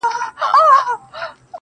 ماته د خپل د زړه آواز راورسيږي_